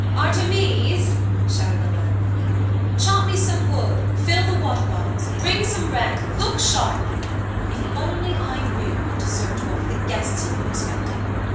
"Artémise!" shouted the landlady, "chop some wood, fill the water bottles, bring some brandy, look sharp! If only I knew what dessert to offer the guests you are expecting!